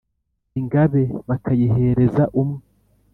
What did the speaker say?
Ingabe bakayihereza umwe